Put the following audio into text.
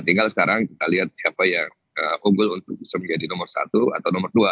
tinggal sekarang kita lihat siapa yang unggul untuk bisa menjadi nomor satu atau nomor dua